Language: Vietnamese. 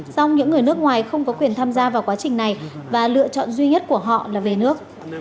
song những người nước ngoài không có quyền tham gia vào quá trình này và lựa chọn duy nhất của họ là về nước